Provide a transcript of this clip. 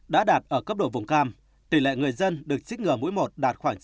đã đạt ở cấp độ vùng cam tỷ lệ người dân được chích ngừa mũi một đạt khoảng chín mươi